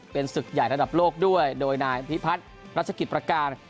เป็นศึกใหญ่ระดับโลกด้วยโดยนายพิพัฒน์รัชกิจประการ